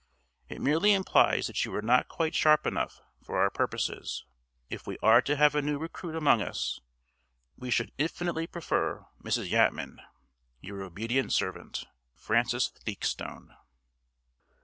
It merely implies that you are not quite sharp enough for our purposes. If we are to have a new recruit among us, we should infinitely prefer Mrs. Yatman. Your obedient servant, FRANCIS THEAKSTONE.